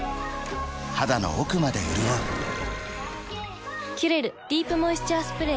肌の奥まで潤う「キュレルディープモイスチャースプレー」